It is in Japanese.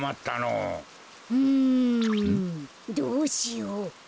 うんどうしよう。